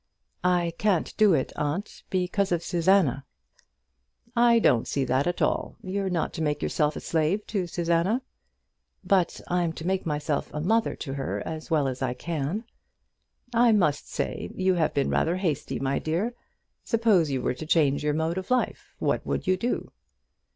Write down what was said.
"I can't do it, aunt, because of Susanna." "I don't see that at all. You're not to make yourself a slave to Susanna." "But I'm to make myself a mother to her as well as I can." "I must say you have been rather hasty, my dear. Suppose you were to change your mode of life, what would you do?"